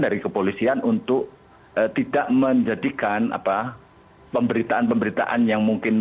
dari kepolisian untuk tidak menjadikan pemberitaan pemberitaan yang mungkin